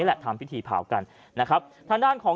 ชาวบ้านญาติโปรดแค้นไปดูภาพบรรยากาศขณะ